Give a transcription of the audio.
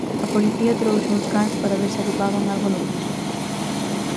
A policía trouxo uns cans para ver se atopaban algo no piso.